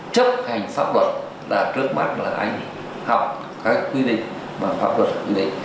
cho nên cái việc mà cúng bái các thứ này để mà được đổ lại